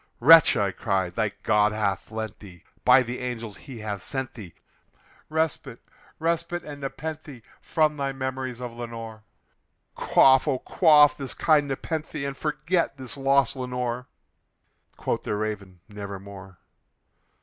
"Wretch," I cried, "thy God hath lent thee by these angels he hath sent thee Respite respite aad nepenthé from thy memories of Lenore! Quaff, oh quaff this kind nepenthé, and forget this lost Lenore!" Quoth the Raven, "Nevermore."